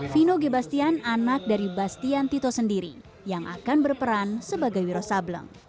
fino g bastian anak dari bastian tito sendiri yang akan berperan sebagai wiro sableng